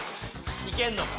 いけんのか？